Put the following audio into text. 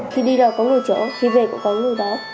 khi đi đâu có người chở khi về cũng có người đó